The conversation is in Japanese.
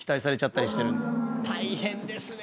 大変ですね